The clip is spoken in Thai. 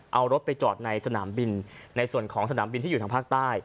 เอารถไปจอดในสนามบินในส่วนของสนามบินที่อยู่ทางภาคใต้